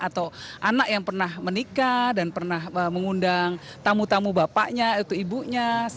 atau anak yang pernah menikah dan pernah mengundang tamu tamu bapaknya itu ibunya